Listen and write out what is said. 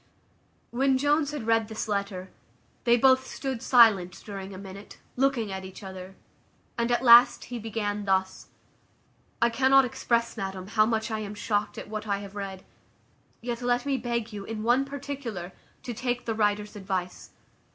When Jones had read this letter, they both stood silent during a minute, looking at each other; at last he began thus: "I cannot express, madam, how much I am shocked at what I have read; yet let me beg you, in one particular, to take the writer's advice.